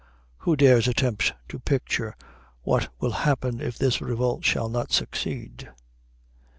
Who dares attempt to picture what will happen if this revolt shall not succeed?